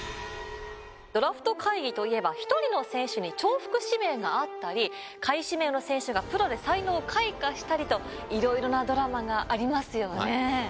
ドラフト会議といえば１人の選手に重複指名があったり下位指名の選手がプロで才能を開花したりといろいろなドラマがありますよね。